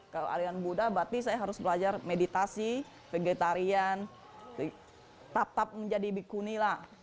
kalau aliran buddha berarti saya harus belajar meditasi vegetarian tap tap menjadi bhikkhunila